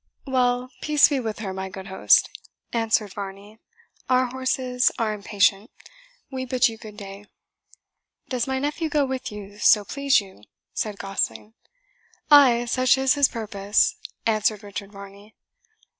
"Well, peace be with her, my good host," answered Varney; "our horses are impatient we bid you good day." "Does my nephew go with you, so please you?" said Gosling. "Ay, such is his purpose," answered Richard Varney.